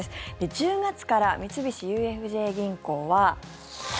１０月から三菱ＵＦＪ銀行は。